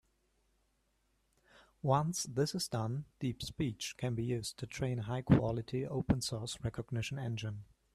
Once this is done, DeepSpeech can be used to train a high-quality open source recognition engine.